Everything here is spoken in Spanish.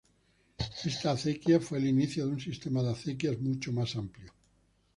Esta acequia, fue el inicio de un sistema de acequias mucho más amplio.